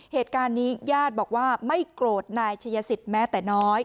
เหตุการณ์นี้ญาติบอกว่าไม่โกรธนายชัยสิทธิแม้แต่น้อย